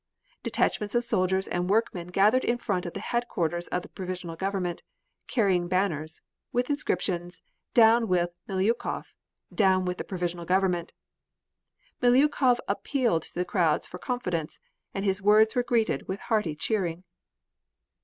Detachments of soldiers and workmen gathered in front of the headquarters of the Provisional Government, carrying banners, with inscriptions "Down with Miliukov! Down with the Provisional Government!" Miliukov appealed to the crowd for confidence, and his words were greeted with hearty cheering.